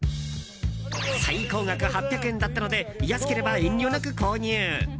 最高額８００円だったので安ければ遠慮なく購入。